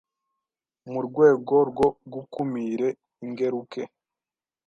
Mu rwego rwo gukumire ingeruke